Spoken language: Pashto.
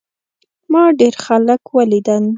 ما ډېر خلک ولیدل.